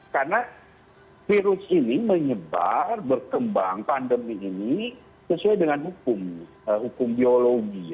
karena virus ini menyebar berkembang pandemi ini sesuai dengan hukum biologi